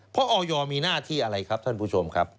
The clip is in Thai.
เพราะออยมีหน้าที่อะไรครับท่านผู้ชมครับ